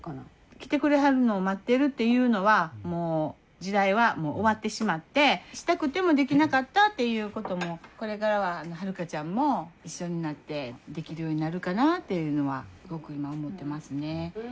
来てくれはるのを待ってるっていうのはもう時代は終わってしまってしたくてもできなかったっていうこともこれからは晴香ちゃんも一緒になってできるようになるかなっていうのはすごく今思ってますね。